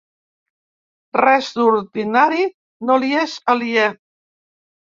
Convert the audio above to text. Res d'ordinari no li és aliè.